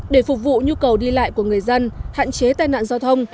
để phục vụ nhu cầu đi lại của người dân hạn chế tai nạn giao thông